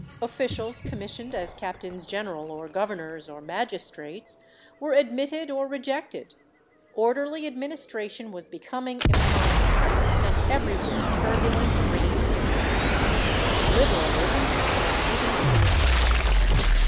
Officials commissioned as captains general or governors or magistrates were admitted or rejected; orderly administration was becoming impossible, and everywhere turbulence reigned supreme. Liberalism was com mitting suicide.